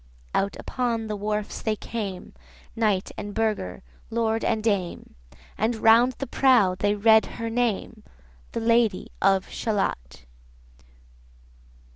Out upon the wharfs they came, Knight and burgher, lord and dame, 160 And round the prow they read her name, The Lady of Shalott.